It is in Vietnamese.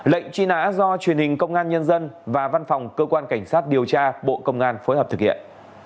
lệnh truy nã do truyền hình công an nhân dân và văn phòng cơ quan cảnh sát điều tra bộ công an phối hợp thực hiện